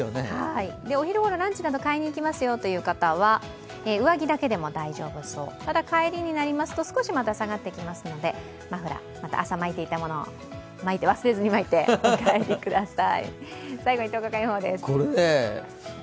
お昼ごろ、ランチなど買いに行きますよという方は上着だけでも大丈夫そう、ただ、帰りになりますと少しまた下がってきますので、マフラー、朝巻いていたものを忘れずに巻いてお帰りください。